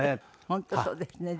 本当そうですね。